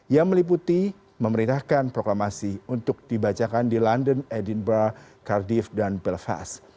yang meliputi memerintahkan proklamasi untuk dibacakan di london edinburgh cardif dan belfast